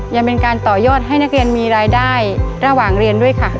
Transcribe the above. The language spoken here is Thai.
ยังเป็นการต่อยอดให้นักเรียนมีรายได้ระหว่างเรียนด้วยค่ะ